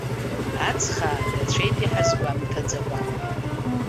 Аҵх аагацәеит, иҳазгәамҭаӡакәа.